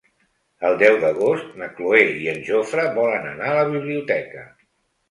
El deu d'agost na Cloè i en Jofre volen anar a la biblioteca.